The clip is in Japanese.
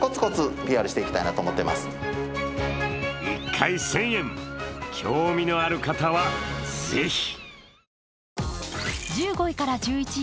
１回１０００円、興味のある方はぜひ。